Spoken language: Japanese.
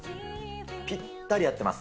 ぴったり合ってます。